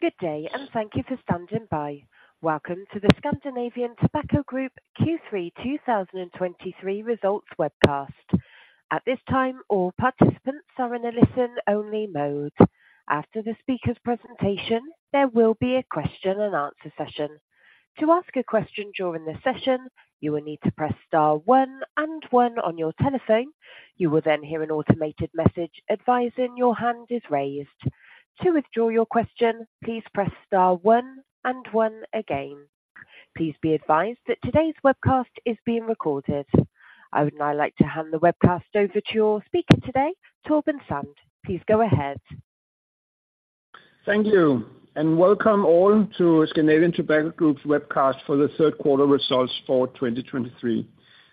Good day, and thank you for standing by. Welcome to the Scandinavian Tobacco Group Q3 2023 Results webcast. At this time, all participants are in a listen-only mode. After the speaker's presentation, there will be a question and answer session. To ask a question during the session, you will need to press star one and one on your telephone. You will then hear an automated message advising your hand is raised. To withdraw your question, please press star one and one again. Please be advised that today's webcast is being recorded. I would now like to hand the webcast over to your speaker today, Torben Sand. Please go ahead. Thank you, and welcome all to Scandinavian Tobacco Group's webcast for the third quarter results for 2023.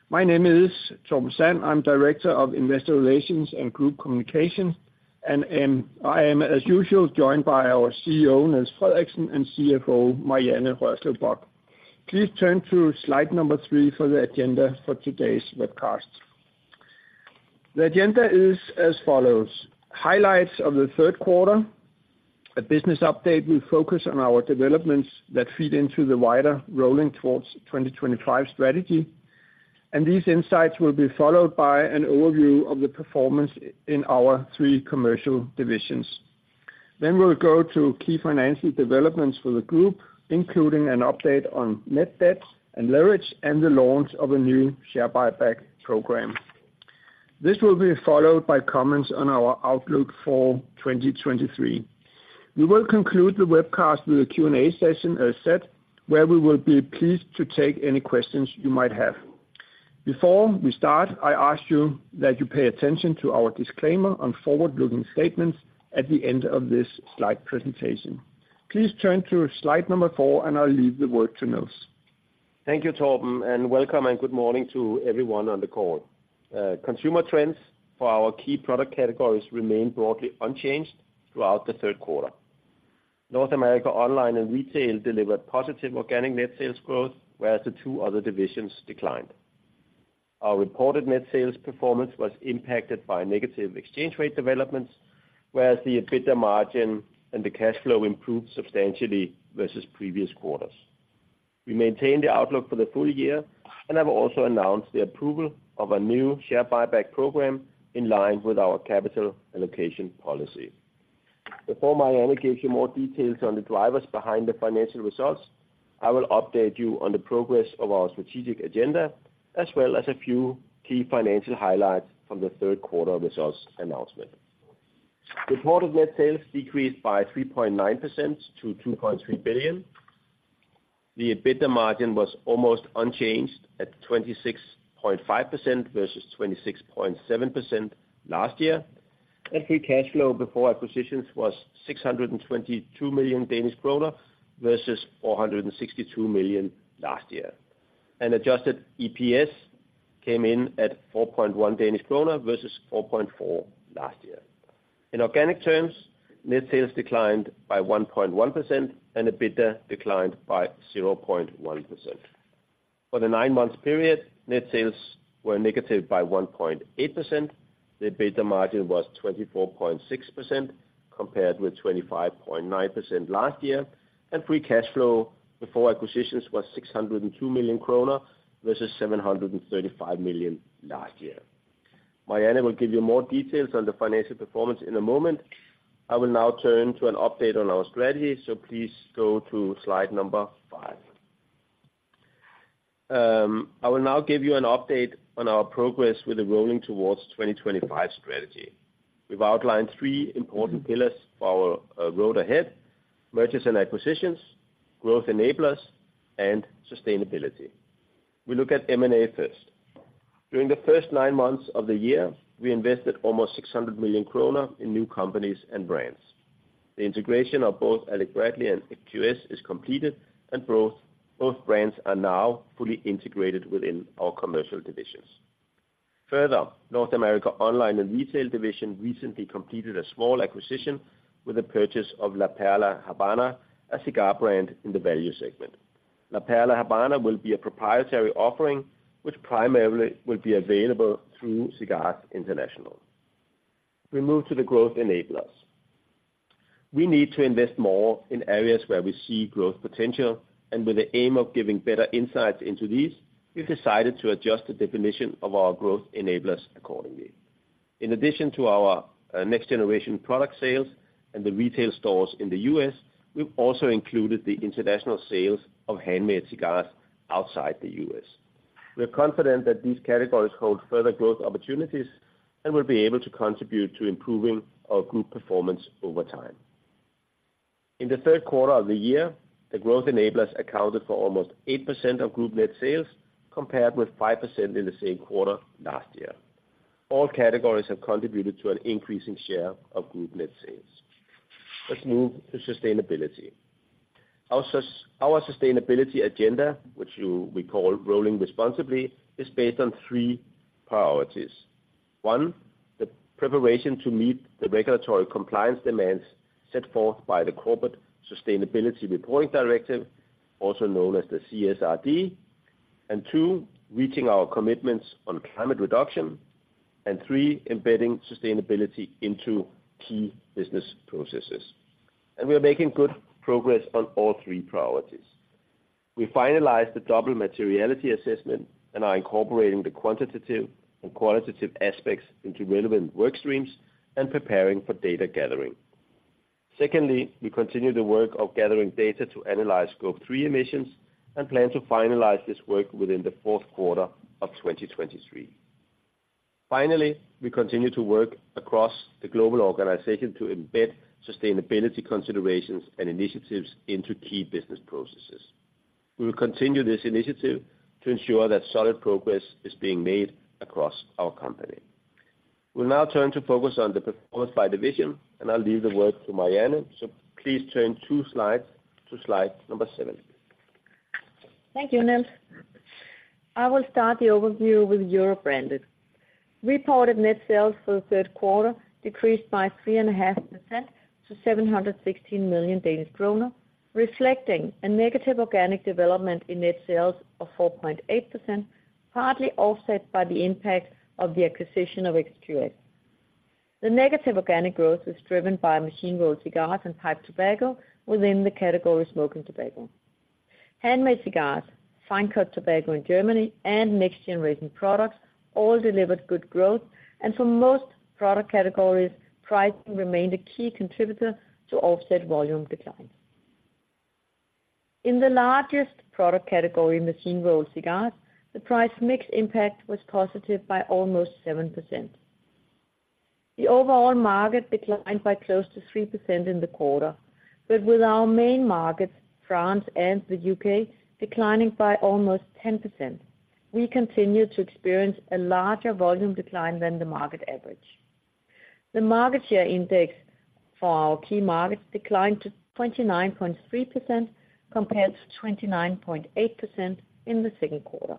My name is Torben Sand. I'm Director of Investor Relations and Group Communications, and I am, as usual, joined by our CEO, Niels Frederiksen, and CFO, Marianne Rørslev Bock. Please turn to slide number 3 for the agenda for today's webcast. The agenda is as follows: highlights of the third quarter, a business update will focus on our developments that feed into the wider Rolling Towards 2025 strategy, and these insights will be followed by an overview of the performance in our three commercial divisions. Then we'll go to key financial developments for the group, including an update on net debt and leverage, and the launch of a new share buyback program. This will be followed by comments on our outlook for 2023. We will conclude the webcast with a Q&A session, as said, where we will be pleased to take any questions you might have. Before we start, I ask you that you pay attention to our disclaimer on forward-looking statements at the end of this slide presentation. Please turn to slide number four, and I'll leave the word to Niels. Thank you, Torben, and welcome and good morning to everyone on the call. Consumer trends for our key product categories remained broadly unchanged throughout the third quarter. North America Online and Retail delivered positive organic net sales growth, whereas the two other divisions declined. Our reported net sales performance was impacted by negative exchange rate developments, whereas the EBITDA margin and the cash flow improved substantially versus previous quarters. We maintain the outlook for the full year and have also announced the approval of a new share buyback program in line with our capital allocation policy. Before Marianne gives you more details on the drivers behind the financial results, I will update you on the progress of our strategic agenda, as well as a few key financial highlights from the third quarter results announcement. Reported net sales decreased by 3.9% to 2.3 billion. The EBITDA margin was almost unchanged at 26.5% versus 26.7% last year. Free cash flow before acquisitions was 622 million Danish kroner versus 462 million last year. Adjusted EPS came in at 4.1 Danish kroner versus 4.4 DKK last year. In organic terms, net sales declined by 1.1%, and EBITDA declined by 0.1%. For the nine-month period, net sales were negative by 1.8%. The EBITDA margin was 24.6%, compared with 25.9% last year, and free cash flow before acquisitions was 602 million kroner versus 735 million last year. Marianne will give you more details on the financial performance in a moment. I will now turn to an update on our strategy, so please go to slide number 5. I will now give you an update on our progress with the Rolling Towards 2025 strategy. We've outlined 3 important pillars for our road ahead: mergers and acquisitions, growth enablers, and sustainability. We look at M&A first. During the first 9 months of the year, we invested almost 600 million kroner in new companies and brands. The integration of both Alec Bradley and XQS is completed and both, both brands are now fully integrated within our commercial divisions. Further, North America Online and Retail Division recently completed a small acquisition with the purchase of La Perla Habana, a cigar brand in the value segment. La Perla Habana will be a proprietary offering, which primarily will be available through Cigars International. We move to the growth enablers. We need to invest more in areas where we see growth potential, and with the aim of giving better insights into these, we've decided to adjust the definition of our growth enablers accordingly. In addition to our next-generation product sales and the retail stores in the US, we've also included the international sales of handmade cigars outside the US. We are confident that these categories hold further growth opportunities and will be able to contribute to improving our group performance over time. In the third quarter of the year, the growth enablers accounted for almost 8% of group net sales, compared with 5% in the same quarter last year. All categories have contributed to an increasing share of group net sales. Let's move to sustainability. Our sustainability agenda, which we call Rolling Responsibly, is based on three priorities. 1, the preparation to meet the regulatory compliance demands set forth by the Corporate Sustainability Reporting Directive, also known as the CSRD... and 2, reaching our commitments on climate reduction, and 3, embedding sustainability into key business processes. And we are making good progress on all three priorities. We finalized the Double Materiality Assessment and are incorporating the quantitative and qualitative aspects into relevant work streams and preparing for data gathering. Secondly, we continue the work of gathering data to analyze Scope 3 emissions, and plan to finalize this work within the fourth quarter of 2023. Finally, we continue to work across the global organization to embed sustainability considerations and initiatives into key business processes. We will continue this initiative to ensure that solid progress is being made across our company. We'll now turn to focus on the performance by division, and I'll leave the work to Marianne. Please turn 2 slides to slide number 7. Thank you, Niels. I will start the overview with Europe Branded. Reported net sales for the third quarter decreased by 3.5% to 716 million Danish kroner, reflecting a negative organic development in net sales of 4.8%, partly offset by the impact of the acquisition of XQS. The negative organic growth is driven by machine-rolled cigars and pipe tobacco within the category smoking tobacco. Handmade cigars, fine cut tobacco in Germany, and next generation products all delivered good growth, and for most product categories, pricing remained a key contributor to offset volume declines. In the largest product category, machine-rolled cigars, the price mix impact was positive by almost 7%. The overall market declined by close to 3% in the quarter, but with our main markets, France and the UK, declining by almost 10%, we continue to experience a larger volume decline than the market average. The market share index for our key markets declined to 29.3%, compared to 29.8% in the second quarter.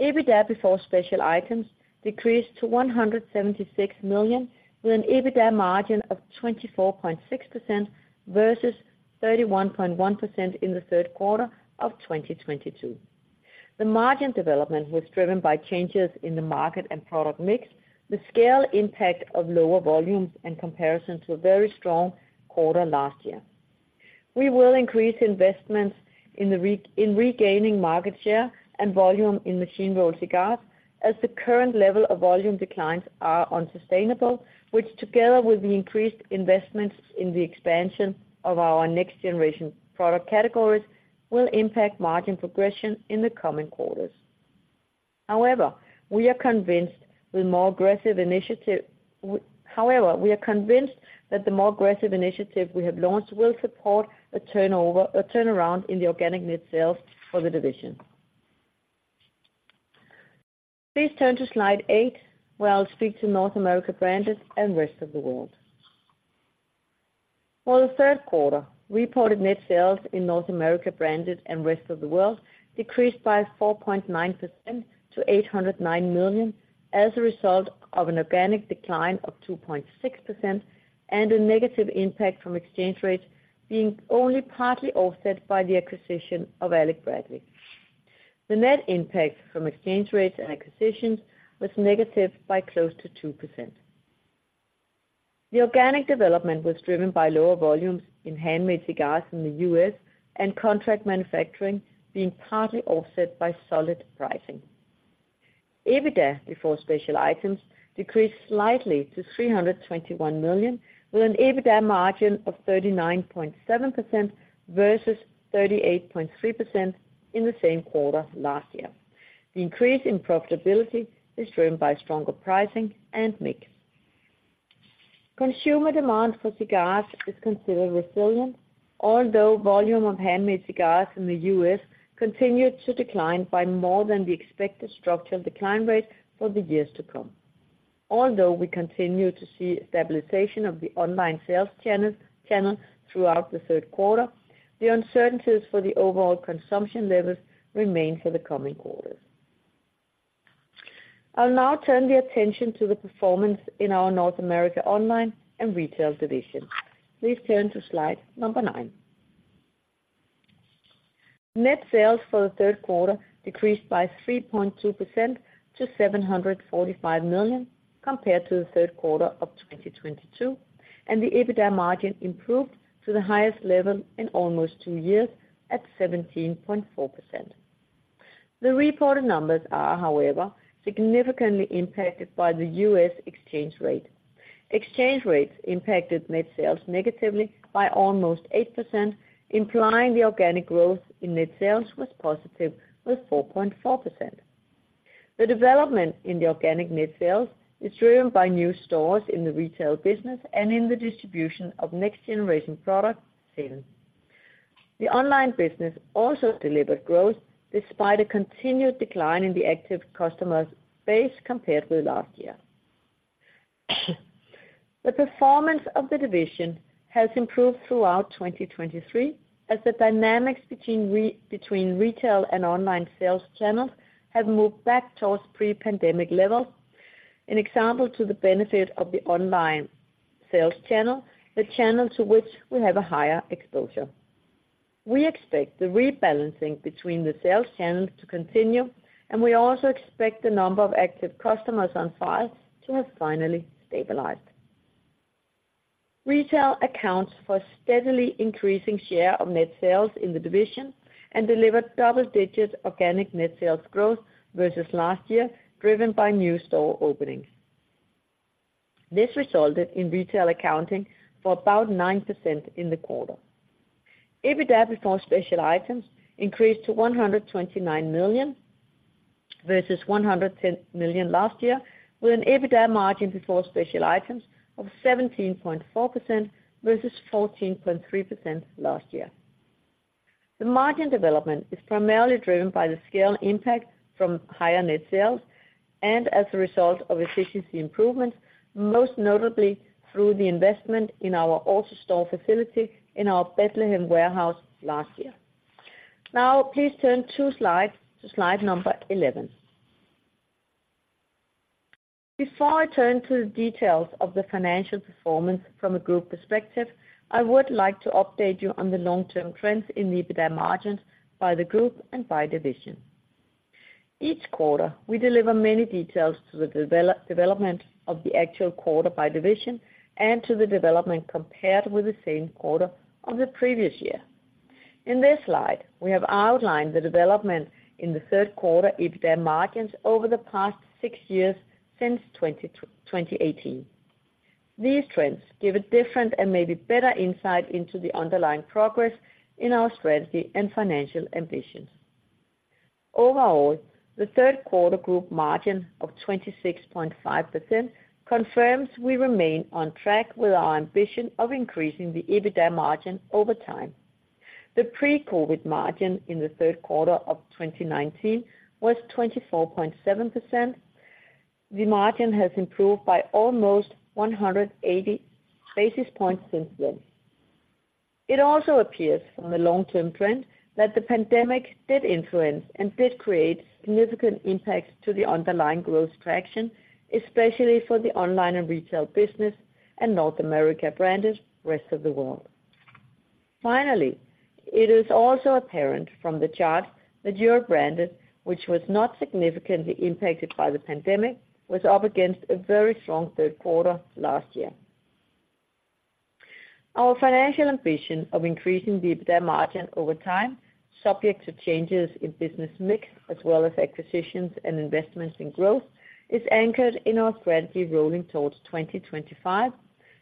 EBITDA before special items decreased to 176 million, with an EBITDA margin of 24.6% versus 31.1% in the third quarter of 2022. The margin development was driven by changes in the market and product mix, the scale impact of lower volumes, in comparison to a very strong quarter last year. We will increase investments in regaining market share and volume in machine-rolled cigars, as the current level of volume declines are unsustainable, which, together with the increased investments in the expansion of our next generation product categories, will impact margin progression in the coming quarters. However, we are convinced that the more aggressive initiative we have launched will support a turnover - a turnaround in the organic net sales for the division. Please turn to slide 8, where I'll speak to North America Branded and Rest of the World. For the third quarter, reported net sales in North America Branded and Rest of the World decreased by 4.9% to 809 million, as a result of an organic decline of 2.6% and a negative impact from exchange rates, being only partly offset by the acquisition of Alec Bradley. The net impact from exchange rates and acquisitions was negative by close to 2%. The organic development was driven by lower volumes in handmade cigars in the U.S. and contract manufacturing being partly offset by solid pricing. EBITDA before special items decreased slightly to 321 million, with an EBITDA margin of 39.7% versus 38.3% in the same quarter last year. The increase in profitability is driven by stronger pricing and mix. Consumer demand for cigars is considered resilient, although volume of handmade cigars in the U.S. continued to decline by more than the expected structural decline rate for the years to come. Although we continue to see a stabilization of the online sales channel throughout the third quarter, the uncertainties for the overall consumption levels remain for the coming quarters. I'll now turn the attention to the performance in our North America Online and Retail division. Please turn to slide number 9. Net sales for the third quarter decreased by 3.2% to 745 million, compared to the third quarter of 2022, and the EBITDA margin improved to the highest level in almost two years, at 17.4%. The reported numbers are, however, significantly impacted by the U.S. exchange rate. Exchange rates impacted net sales negatively by almost 8%, implying the organic growth in net sales was positive, with 4.4%. The development in the organic net sales is driven by new stores in the retail business and in the distribution of next generation product sales. The online business also delivered growth, despite a continued decline in the active customer base compared with last year. The performance of the division has improved throughout 2023, as the dynamics between between retail and online sales channels have moved back towards pre-pandemic levels. As an example to the benefit of the online sales channel, the channel to which we have a higher exposure. We expect the rebalancing between the sales channels to continue, and we also expect the number of active customers on file to have finally stabilized. Retail accounts for a steadily increasing share of net sales in the division, and delivered double-digit organic net sales growth versus last year, driven by new store openings. This resulted in retail accounting for about 9% in the quarter. EBITDA before special items increased to 129 million, versus 110 million last year, with an EBITDA margin before special items of 17.4%, versus 14.3% last year. The margin development is primarily driven by the scale impact from higher net sales, and as a result of efficiency improvements, most notably through the investment in our AutoStore facility in our Bethlehem warehouse last year. Now, please turn two slides to slide number 11. Before I turn to the details of the financial performance from a group perspective, I would like to update you on the long-term trends in the EBITDA margins by the group and by division. Each quarter, we deliver many details to the development of the actual quarter by division, and to the development compared with the same quarter of the previous year. In this slide, we have outlined the development in the third quarter EBITDA margins over the past six years since 2018. These trends give a different and maybe better insight into the underlying progress in our strategy and financial ambitions. Overall, the third quarter group margin of 26.5% confirms we remain on track with our ambition of increasing the EBITDA margin over time. The pre-COVID margin in the third quarter of 2019 was 24.7%. The margin has improved by almost 180 basis points since then. It also appears from the long-term trend that the pandemic did influence and did create significant impacts to the underlying growth traction, especially for the online and retail business, and North America Branded and Rest of the World. Finally, it is also apparent from the chart that Europe Branded, which was not significantly impacted by the pandemic, was up against a very strong third quarter last year. Our financial ambition of increasing the EBITDA margin over time, subject to changes in business mix as well as acquisitions and investments in growth, is anchored in our strategy Rolling Towards 2025,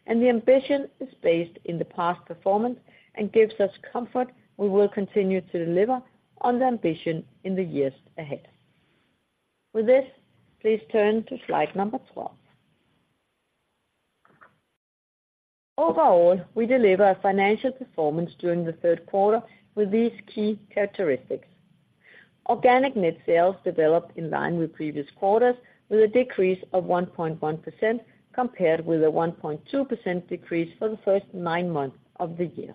and the ambition is based in the past performance, and gives us comfort we will continue to deliver on the ambition in the years ahead. With this, please turn to slide number 12. Overall, we deliver a financial performance during the third quarter with these key characteristics: Organic net sales developed in line with previous quarters, with a decrease of 1.1% compared with a 1.2% decrease for the first nine months of the year.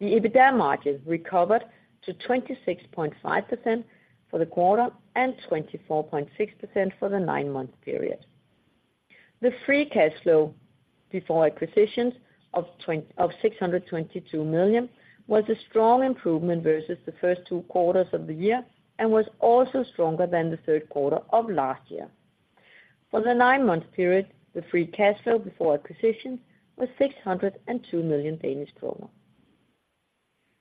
The EBITDA margin recovered to 26.5% for the quarter, and 24.6% for the nine-month period. The Free Cash Flow Before Acquisitions of 622 million was a strong improvement versus the first two quarters of the year, and was also stronger than the third quarter of last year. For the nine-month period, the free cash flow before acquisition was 602 million Danish kroner.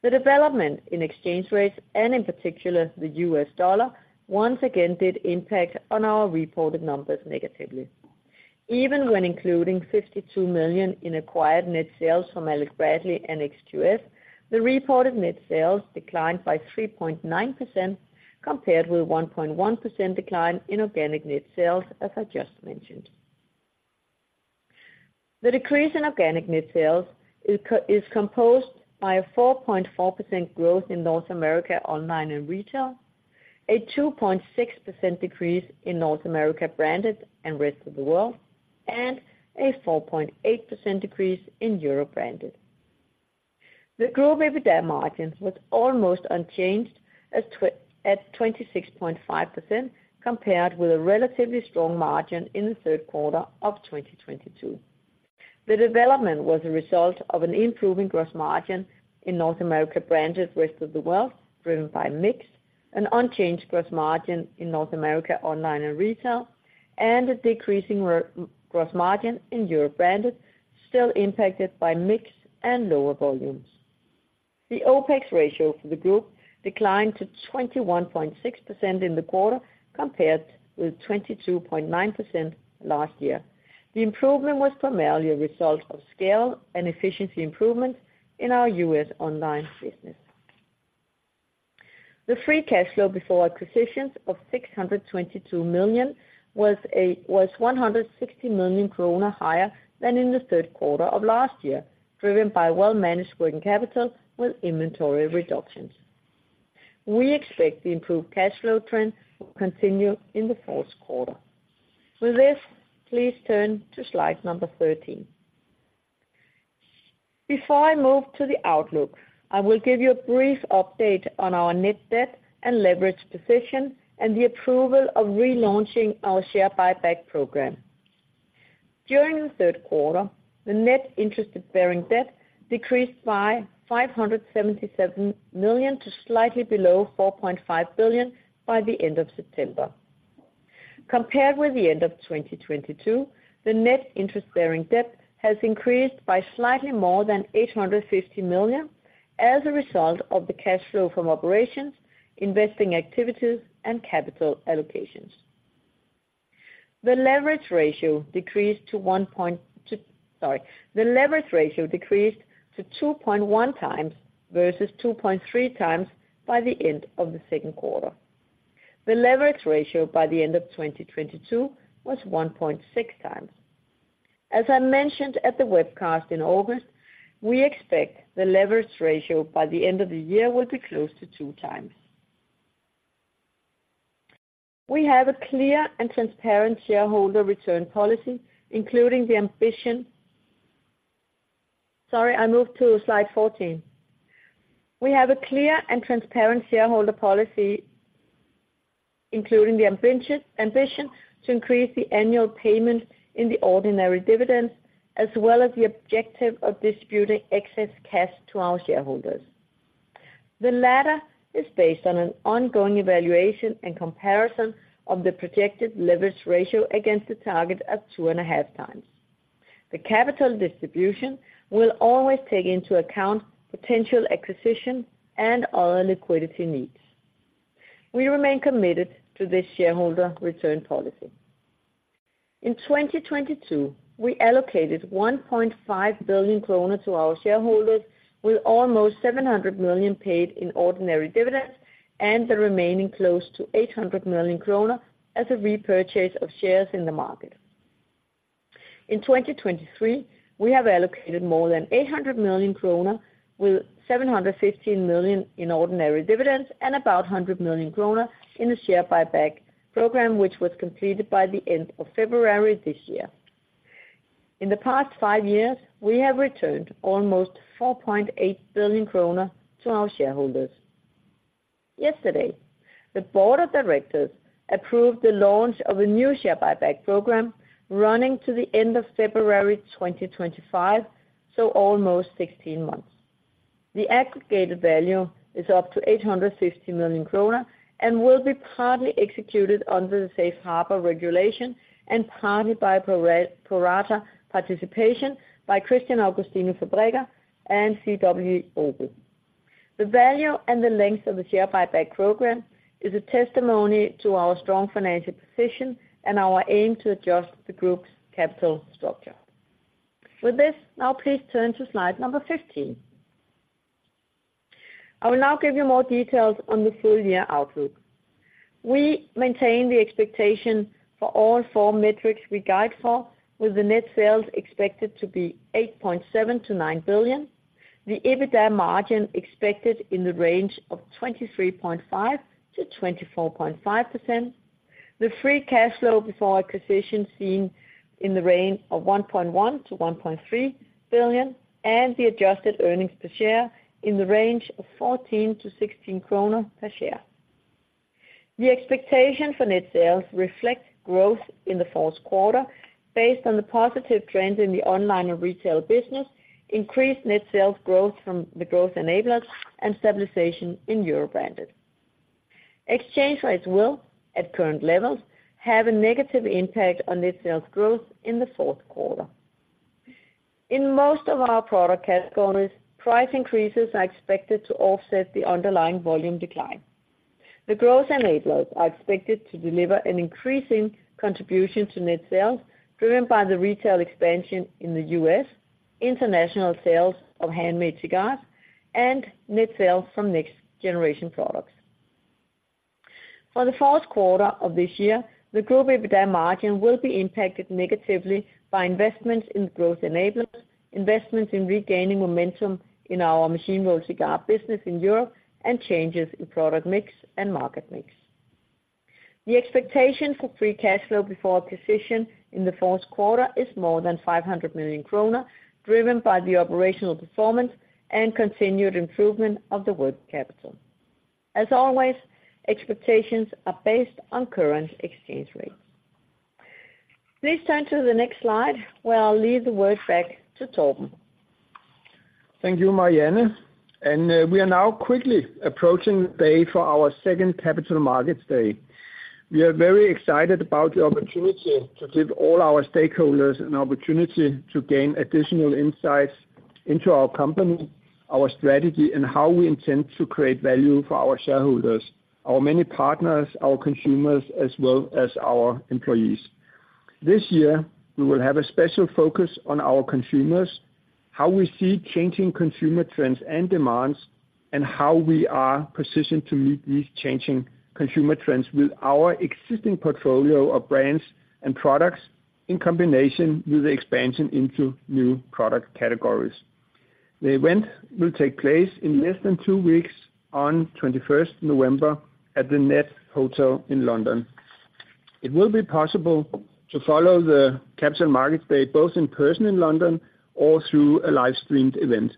The development in exchange rates, and in particular the US dollar, once again, did impact on our reported numbers negatively. Even when including 52 million in acquired net sales from Alec Bradley and XQS, the reported net sales declined by 3.9% compared with 1.1% decline in organic net sales, as I just mentioned. The decrease in organic net sales is composed by a 4.4% growth in North America online and retail, a 2.6% decrease in North America Branded and Rest of the World, and a 4.8% decrease in Europe Branded. The group EBITDA margin was almost unchanged at 26.5%, compared with a relatively strong margin in the third quarter of 2022. The development was a result of an improving gross margin in North America Branded and Rest of the World, driven by mix, an unchanged gross margin in North America online and retail, and a decreasing gross margin in Europe Branded, still impacted by mix and lower volumes. The OpEx ratio for the group declined to 21.6% in the quarter, compared with 22.9% last year. The improvement was primarily a result of scale and efficiency improvements in our US online business. The free cash flow before acquisitions of 622 million was one hundred and sixty million kroner higher than in the third quarter of last year, driven by well-managed working capital with inventory reductions. We expect the improved cash flow trend will continue in the fourth quarter. With this, please turn to slide number 13.... Before I move to the outlook, I will give you a brief update on our net debt and leverage position, and the approval of relaunching our share buyback program. During the third quarter, the net interest-bearing debt decreased by 577 million to slightly below 4.5 billion by the end of September. Compared with the end of 2022, the net interest-bearing debt has increased by slightly more than 850 million as a result of the cash flow from operations, investing activities, and capital allocations. The leverage ratio decreased to 2.1x versus 2.3x by the end of the second quarter. The leverage ratio by the end of 2022 was 1.6x. As I mentioned at the webcast in August, we expect the leverage ratio by the end of the year will be close to 2x. We have a clear and transparent shareholder return policy, including the ambition... Sorry, I moved to slide 14. We have a clear and transparent shareholder policy, including the ambition, ambition to increase the annual payment in the ordinary dividends, as well as the objective of distributing excess cash to our shareholders. The latter is based on an ongoing evaluation and comparison of the projected leverage ratio against the target of 2.5x. The capital distribution will always take into account potential acquisition and other liquidity needs. We remain committed to this shareholder return policy. In 2022, we allocated 1.5 billion kroner to our shareholders, with almost 700 million paid in ordinary dividends, and the remaining close to 800 million kroner as a repurchase of shares in the market. In 2023, we have allocated more than 800 million kroner, with 715 million in ordinary dividends and about 100 million kroner in a share buyback program, which was completed by the end of February this year. In the past five years, we have returned almost 4.8 billion kroner to our shareholders. Yesterday, the board of directors approved the launch of a new share buyback program running to the end of February 2025, so almost 16 months. The aggregated value is up to 860 million kroner and will be partly executed under the Safe Harbor Regulation and partly by pro rata participation by Christian Augustinus Fabrikker and C.W. Obel. The value and the length of the share buyback program is a testimony to our strong financial position and our aim to adjust the group's capital structure. With this, now please turn to slide number 15. I will now give you more details on the full year outlook. We maintain the expectation for all four metrics we guide for, with the net sales expected to be 8.7 billion-9 billion, the EBITDA margin expected in the range of 23.5%-24.5%, the free cash flow before acquisition seen in the range of 1.1 billion-1.3 billion, and the adjusted earnings per share in the range of 14-16 kroner per share. The expectation for net sales reflects growth in the fourth quarter based on the positive trend in the online and retail business, increased net sales growth from the growth enablers, and stabilization in Europe Branded. Exchange rates will, at current levels, have a negative impact on net sales growth in the fourth quarter. In most of our product categories, price increases are expected to offset the underlying volume decline. The growth enablers are expected to deliver an increasing contribution to net sales, driven by the retail expansion in the U.S., international sales of handmade cigars, and net sales from next-generation products. For the fourth quarter of this year, the group EBITDA margin will be impacted negatively by investments in the growth enablers, investments in regaining momentum in our machine-rolled cigar business in Europe, and changes in product mix and market mix. The expectation for free cash flow before acquisition in the fourth quarter is more than 500 million kroner, driven by the operational performance and continued improvement of the working capital. As always, expectations are based on current exchange rates. Please turn to the next slide, where I'll leave the word back to Torben. Thank you, Marianne, and we are now quickly approaching the day for our second Capital Markets Day. We are very excited about the opportunity to give all our stakeholders an opportunity to gain additional insights into our company, our strategy, and how we intend to create value for our shareholders, our many partners, our consumers, as well as our employees. This year, we will have a special focus on our consumers, how we see changing consumer trends and demands, and how we are positioned to meet these changing consumer trends with our existing portfolio of brands and products, in combination with the expansion into new product categories. The event will take place in less than two weeks, on twenty-first November, at The Ned Hotel in London.... It will be possible to follow the Capital Markets Day, both in person in London or through a live-streamed event.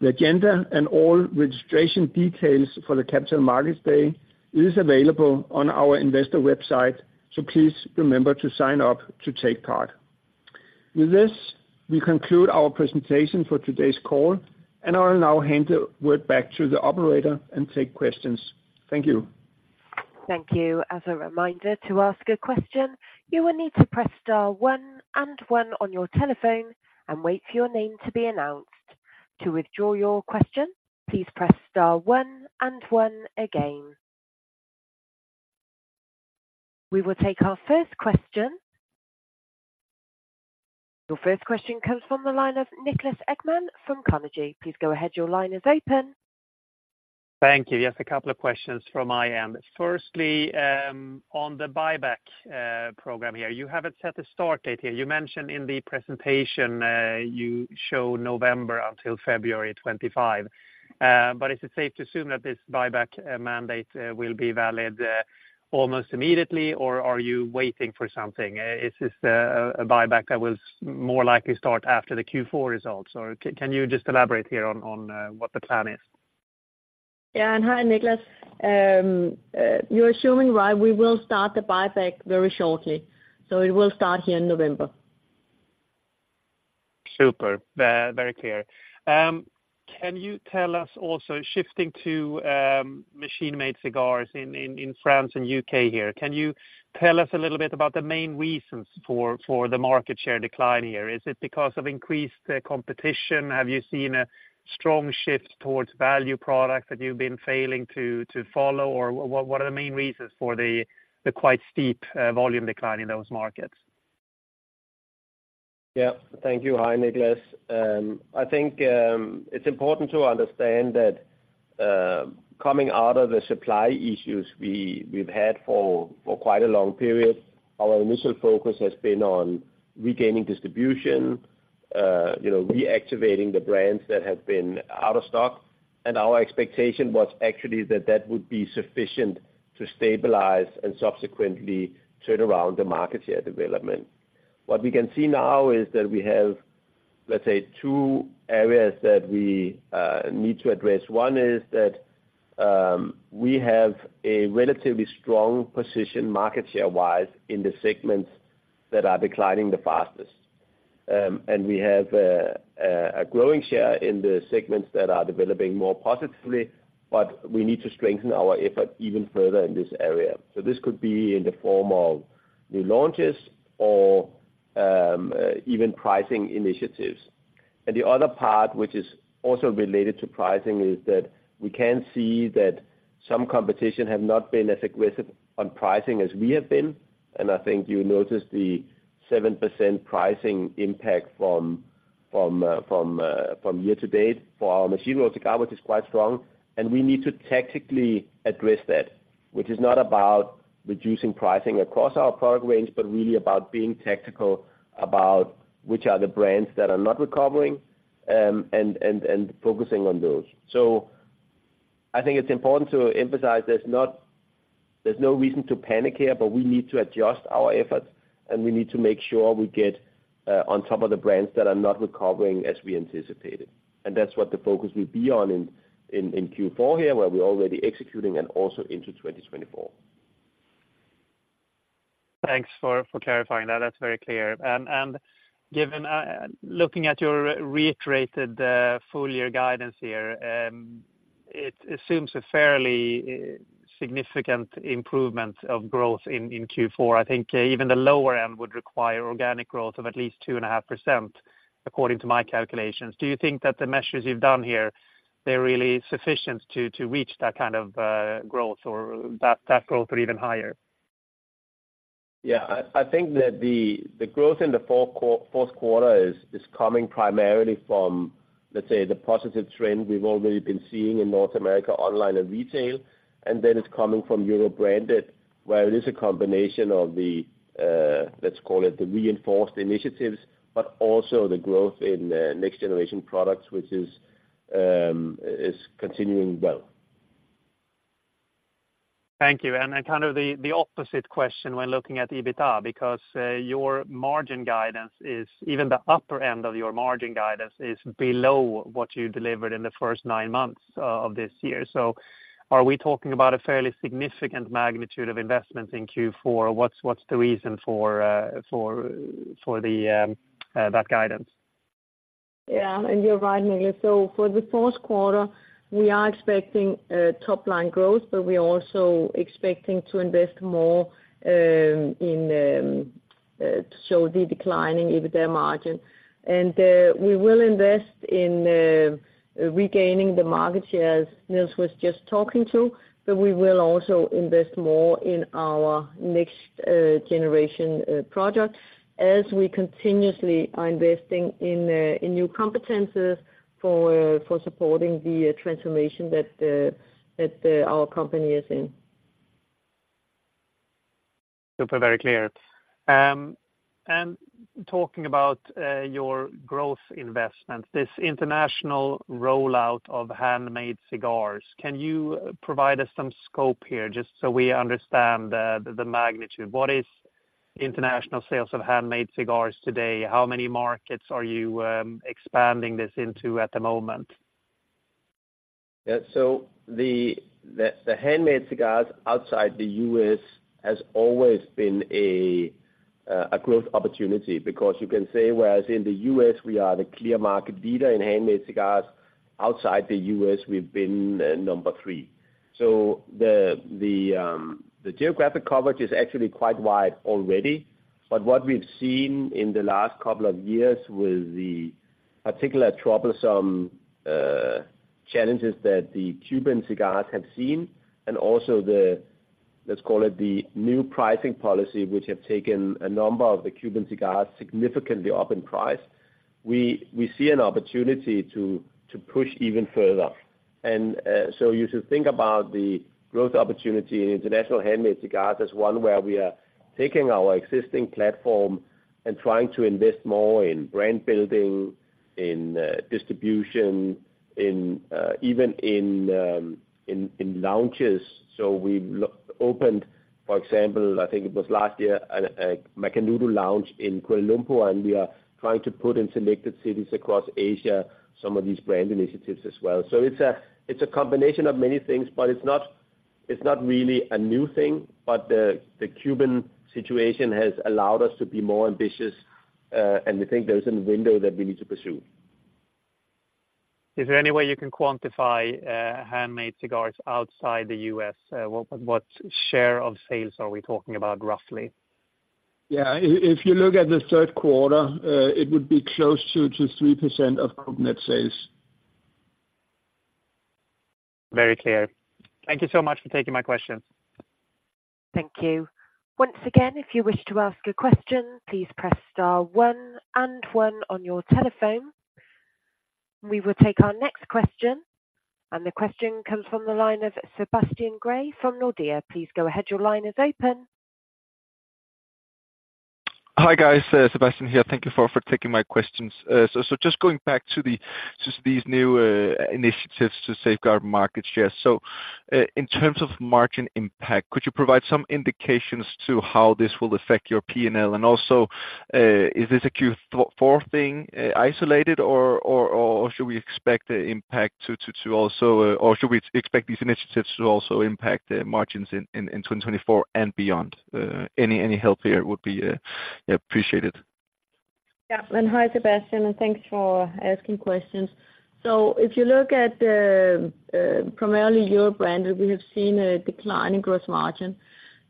The agenda and all registration details for the Capital Markets Day is available on our investor website, so please remember to sign up to take part. With this, we conclude our presentation for today's call, and I'll now hand the word back to the operator and take questions. Thank you. Thank you. As a reminder, to ask a question, you will need to press star one and one on your telephone and wait for your name to be announced. To withdraw your question, please press star one and one again. We will take our first question. Your first question comes from the line of Niklas Ekman from Carnegie. Please go ahead. Your line is open. Thank you. Yes, a couple of questions from my end. Firstly, on the buyback program here, you haven't set a start date here. You mentioned in the presentation, you show November until February 25. But is it safe to assume that this buyback mandate will be valid almost immediately, or are you waiting for something? Is this a buyback that will more likely start after the Q4 results? Or can you just elaborate here on what the plan is? Yeah, and hi, Niklas. You're assuming right. We will start the buyback very shortly, so it will start here in November. Super. Very clear. Can you tell us also, shifting to machine-made cigars in France and U.K. here, can you tell us a little bit about the main reasons for the market share decline here? Is it because of increased competition? Have you seen a strong shift towards value products that you've been failing to follow? Or what are the main reasons for the quite steep volume decline in those markets? Yeah. Thank you. Hi, Nicholas. I think it's important to understand that coming out of the supply issues we've had for quite a long period, our initial focus has been on regaining distribution, you know, reactivating the brands that have been out of stock. And our expectation was actually that that would be sufficient to stabilize and subsequently turn around the market share development. What we can see now is that we have, let's say, two areas that we need to address. One is that we have a relatively strong position, market share-wise, in the segments that are declining the fastest. And we have a growing share in the segments that are developing more positively, but we need to strengthen our effort even further in this area. So this could be in the form of new launches or even pricing initiatives. And the other part, which is also related to pricing, is that we can see that some competition have not been as aggressive on pricing as we have been. And I think you notice the 7% pricing impact from year to date for our machine-rolled cigar, which is quite strong, and we need to tactically address that. Which is not about reducing pricing across our product range, but really about being tactical about which are the brands that are not recovering and focusing on those. So I think it's important to emphasize there's no reason to panic here, but we need to adjust our efforts, and we need to make sure we get on top of the brands that are not recovering as we anticipated. And that's what the focus will be on in Q4 here, where we're already executing, and also into 2024. Thanks for clarifying that. That's very clear. And given looking at your reiterated full year guidance here, it assumes a fairly significant improvement of growth in Q4. I think even the lower end would require organic growth of at least 2.5%, according to my calculations. Do you think that the measures you've done here, they're really sufficient to reach that kind of growth or that growth or even higher? Yeah. I think that the growth in the fourth quarter is coming primarily from, let's say, the positive trend we've already been seeing in North America online and retail. And then it's coming from Europe Branded, where it is a combination of the, let's call it the reinforced initiatives, but also the growth in next-generation products, which is continuing well. Thank you. And then kind of the opposite question when looking at EBITDA, because your margin guidance is, even the upper end of your margin guidance, is below what you delivered in the first nine months of this year. So are we talking about a fairly significant magnitude of investments in Q4, or what's the reason for that guidance? Yeah, and you're right, Niklas. So for the fourth quarter, we are expecting top-line growth, but we are also expecting to invest more so the declining EBITDA margin. And we will invest in regaining the market share, as Niels was just talking to, but we will also invest more in our next generation product, as we continuously are investing in new competencies for supporting the transformation that our company is in. Super. Very clear. Talking about your growth investment, this international rollout of handmade cigars, can you provide us some scope here just so we understand the magnitude? What is international sales of handmade cigars today? How many markets are you expanding this into at the moment? Yeah, so the handmade cigars outside the U.S. has always been a growth opportunity, because you can say, whereas in the U.S. we are the clear market leader in handmade cigars, outside the U.S. we've been number three. So the geographic coverage is actually quite wide already, but what we've seen in the last couple of years with the particular troublesome challenges that the Cuban cigars have seen, and also the, let's call it, the new pricing policy, which have taken a number of the Cuban cigars significantly up in price, we see an opportunity to push even further. So you should think about the growth opportunity in international handmade cigars as one where we are taking our existing platform and trying to invest more in brand building, in distribution, even in lounges. So we've opened, for example, I think it was last year, a Macanudo lounge in Kuala Lumpur, and we are trying to put in selected cities across Asia some of these brand initiatives as well. So it's a combination of many things, but it's not really a new thing, but the Cuban situation has allowed us to be more ambitious, and we think there is a window that we need to pursue. Is there any way you can quantify handmade cigars outside the U.S.? What share of sales are we talking about, roughly? Yeah. If you look at the third quarter, it would be close to 2%-3% of our net sales. Very clear. Thank you so much for taking my question. Thank you. Once again, if you wish to ask a question, please press star one and one on your telephone. We will take our next question, and the question comes from the line of Sebastian Grave from Nordea. Please go ahead. Your line is open. Hi, guys, Sebastian here. Thank you for taking my questions. So, just going back to just these new initiatives to safeguard market share. So, in terms of margin impact, could you provide some indications to how this will affect your P&L? And also, is this a Q4 thing, isolated or should we expect the impact to also... or should we expect these initiatives to also impact the margins in 2024 and beyond? Any help here would be appreciated. Yeah, and hi, Sebastian, and thanks for asking questions. So if you look at the primarily Europe Branded, we have seen a decline in gross margin.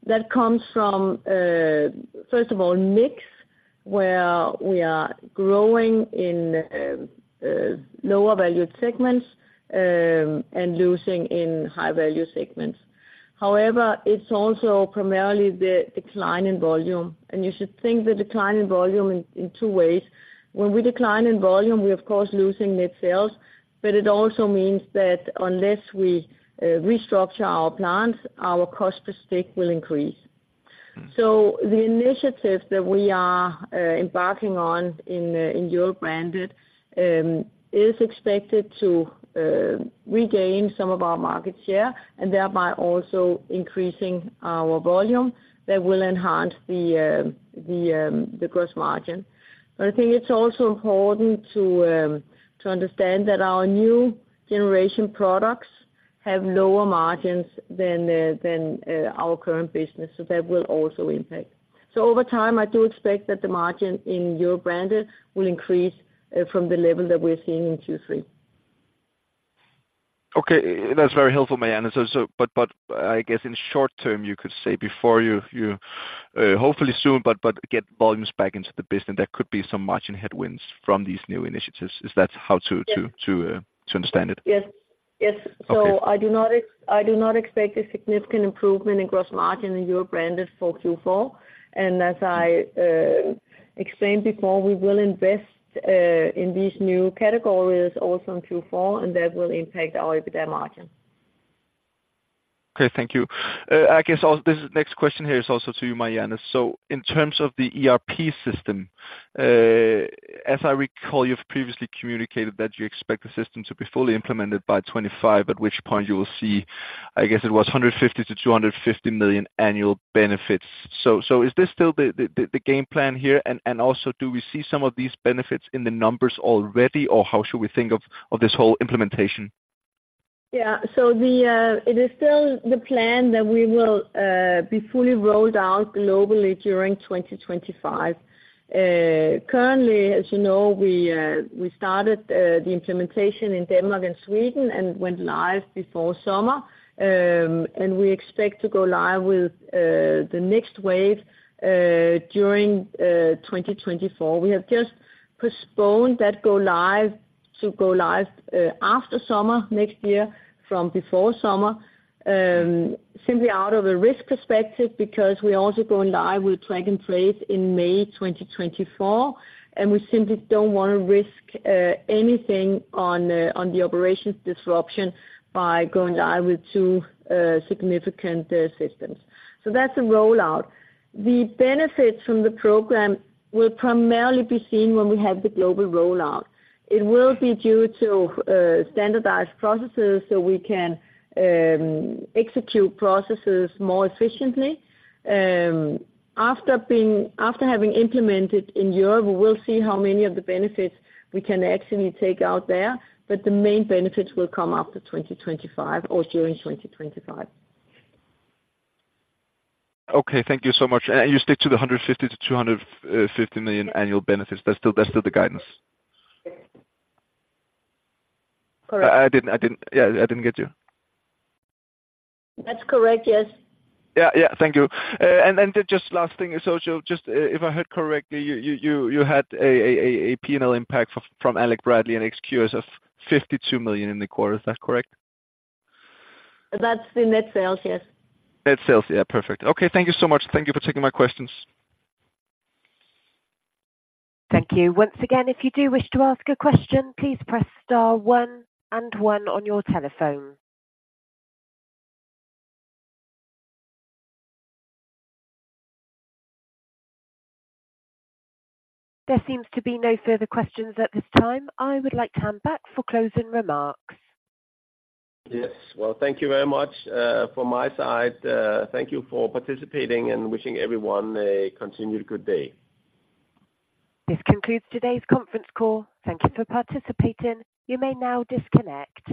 That comes from first of all, mix, where we are growing in lower valued segments, and losing in high value segments. However, it's also primarily the decline in volume, and you should think the decline in volume in two ways. When we decline in volume, we of course losing net sales, but it also means that unless we restructure our plants, our cost per stick will increase. Mm-hmm. So the initiatives that we are embarking on in Europe Branded is expected to regain some of our market share, and thereby also increasing our volume that will enhance the gross margin. But I think it's also important to understand that our Next Generation Products have lower margins than our current business, so that will also impact. So over time, I do expect that the margin in Europe Branded will increase from the level that we're seeing in Q3. Okay. That's very helpful, Marianne. So, but I guess in short term, you could say before you hopefully soon, but get volumes back into the business, there could be some margin headwinds from these new initiatives. Is that how to- Yes... to understand it? Yes. Yes. Okay. So I do not expect a significant improvement in gross margin in Europe Branded for Q4. And as I explained before, we will invest in these new categories also in Q4, and that will impact our EBITDA margin. Okay, thank you. I guess this next question here is also to you, Marianne. So in terms of the ERP system, as I recall, you've previously communicated that you expect the system to be fully implemented by 2025, at which point you will see, I guess it was 150 million-250 million annual benefits. So is this still the game plan here? And also, do we see some of these benefits in the numbers already, or how should we think of this whole implementation? Yeah. So, it is still the plan that we will be fully rolled out globally during 2025. Currently, as you know, we started the implementation in Denmark and Sweden and went live before summer. And we expect to go live with the next wave during 2024. We have just postponed that go live to go live after summer next year from before summer, simply out of a risk perspective, because we're also going live with Track and Trace in May 2024, and we simply don't want to risk anything on the operations disruption by going live with two significant systems. So that's the rollout. The benefits from the program will primarily be seen when we have the global rollout. It will be due to standardized processes, so we can execute processes more efficiently. After having implemented in Europe, we will see how many of the benefits we can actually take out there, but the main benefits will come after 2025 or during 2025. Okay, thank you so much. You stick to the 150 million-250 million annual benefits? That's still, that's still the guidance. Correct. Yeah, I didn't get you. That's correct, yes. Yeah, yeah. Thank you. And then just last thing, so just if I heard correctly, you had a P&L impact from Alec Bradley and XQS of 52 million in the quarter. Is that correct? That's the net sales, yes. Net sales. Yeah, perfect. Okay, thank you so much. Thank you for taking my questions. Thank you. Once again, if you do wish to ask a question, please press star one and one on your telephone. There seems to be no further questions at this time. I would like to hand back for closing remarks. Yes. Well, thank you very much. From my side, thank you for participating and wishing everyone a continued good day. This concludes today's conference call. Thank you for participating. You may now disconnect.